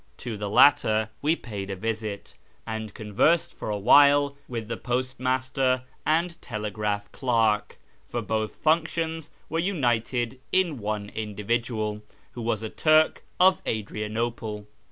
To the latter we paid a visit, and conversed for a while with the postmaster and telegraph clerk (for both functions were united in one individual), who was a Turk of Adrianople.